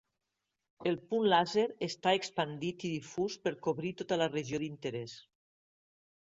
El punter làser està expandit i difús per cobrir tota la regió d'interès.